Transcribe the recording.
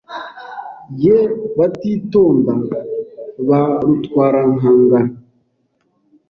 Ye batitonda ba Rutwarankangara